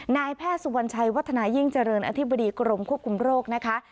นายแพทย์สุวรรณชัยวัฒนายิ่งเจริญอธิบดีกรมควบคุมโรคนะคะ